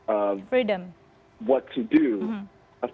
amerika sepatutnya menjadi simbol